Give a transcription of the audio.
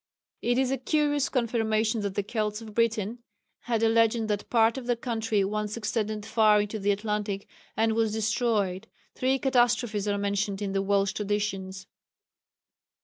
It is a curious confirmation that the Kelts of Britain had a legend that part of their country once extended far into the Atlantic and was destroyed. Three catastrophes are mentioned in the Welsh traditions.